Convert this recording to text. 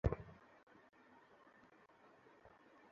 Oersted নিশ্চিত হলেন, বিদ্যুৎ ও চুম্বকের মধ্যে সম্পর্ক আছে।